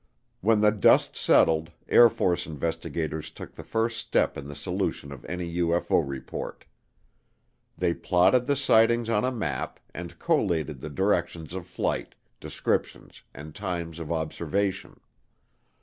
When the dust settled Air Force investigators took the first step in the solution of any UFO report. They plotted the sightings on a map, and collated the directions of flight, descriptions and times of observation.